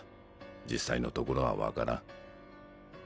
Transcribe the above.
実際のところはわからん。